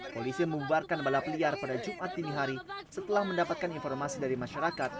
polisi membubarkan balap liar pada jumat dini hari setelah mendapatkan informasi dari masyarakat